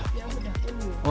yang sudah kuning